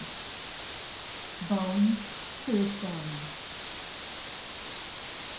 BONE TO HIS BONE.